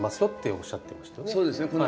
よっておっしゃってましたね。